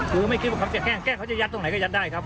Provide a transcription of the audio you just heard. คือไม่คิดว่าเขาจะแกล้งแกล้งเขาจะยัดตรงไหนก็ยัดได้ครับ